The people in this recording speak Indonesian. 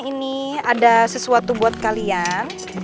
ini ada sesuatu buat kalian